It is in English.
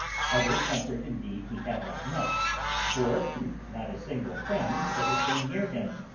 Other comfort indeed he had not much, for not a single friend ever came near him.